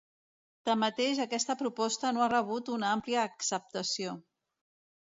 Tanmateix, aquesta proposta no ha rebut una àmplia acceptació.